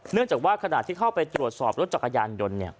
เนื่องจากว่าขณะที่เข้าไปตรวจสอบรถจักรยานยนต์